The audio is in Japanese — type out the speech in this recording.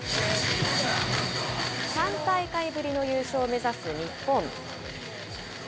３大会ぶりの優勝を目指す日本。